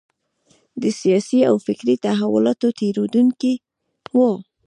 د سیاسي او فکري تحولاتو تېرېدونکی و.